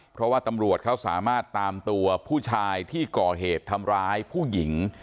เพราะว่าตำรวจเขาสามารถตามตัวผู้ชายที่ก่อเหตุทำร้ายผู้หญิง